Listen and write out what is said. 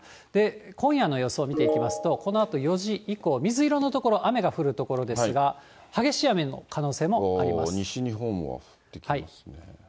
今夜の予想見ていきますと、このあと４時以降、水色の所、雨が降る所ですが、西日本も降ってきますね。